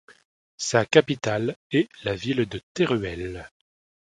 Sa capitale est la ville de Teruel.